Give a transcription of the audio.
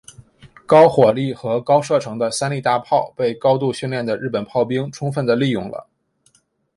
高火力和高射程的三笠大炮被高度训练的日本炮兵充分地利用了。